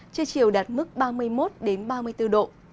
trưa chiều đạt mức ba mươi một ba mươi bốn độ